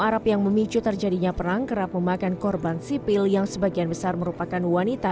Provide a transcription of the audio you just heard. arab yang memicu terjadinya perang kerap memakan korban sipil yang sebagian besar merupakan wanita